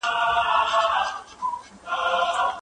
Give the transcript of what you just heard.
ستونزې ته غوږ نیول د کورنۍ د پلار یوه مسؤلیت ده.